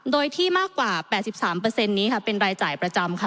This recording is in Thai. โดยที่มากกว่า๘๓นี้ค่ะเป็นรายจ่ายประจำค่ะ